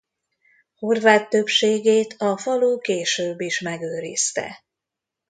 Horvát többségét a falu később is megőrizte.